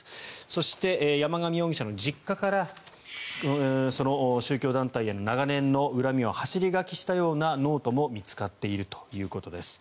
そして、山上容疑者の実家からその宗教団体への長年の恨みを走り書きしたようなノートも見つかっているということです。